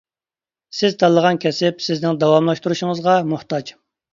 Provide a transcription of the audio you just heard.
سىز تاللىغان كەسىپ سىزنىڭ داۋاملاشتۇرۇشىڭىزغا موھتاج.